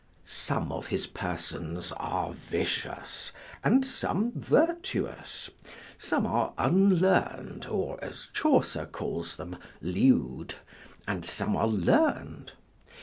Some of his persons are vicious, and some virtuous; some are unlearn'd, or (as Chaucer calls them) lewd, and some are learn'd.